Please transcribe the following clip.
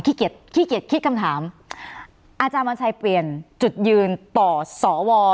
ขี้เกียจขี้คำถามอาจารย์วันชัยเปลี่ยนจุดยืนต่อสว